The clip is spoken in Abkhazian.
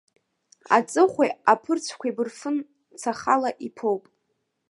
Аҵыхәеи аԥырцәқәеи бырфын цахала иԥоуп.